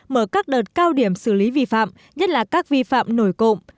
mở các đợt cao điểm xử lý vi phạm nhất là các vi phạm nổi cộng